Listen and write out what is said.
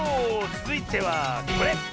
つづいてはこれ！